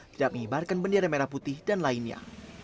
tidak mengibarkan bendera merah putih dan lainnya